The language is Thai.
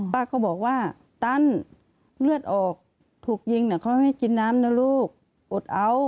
ป้าก็บอกว่าตันเลือดออกถูกยิงเขาให้กินน้ำนะลูกอดเอา